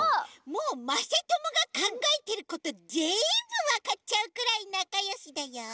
もうまさともがかんがえてることぜんぶわかっちゃうくらいなかよしだよ。